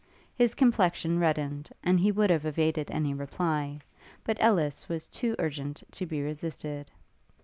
His complexion reddened, and he would have evaded any reply; but Ellis was too urgent to be resisted.